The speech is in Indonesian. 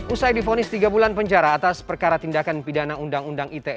usai difonis tiga bulan penjara atas perkara tindakan pidana undang undang ite